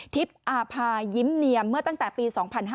อาภายิ้มเนียมเมื่อตั้งแต่ปี๒๕๕๙